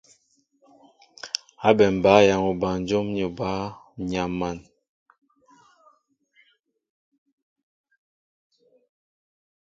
Ábɛm bǎyaŋ obanjóm ni obǎ, ǹ yam̀an.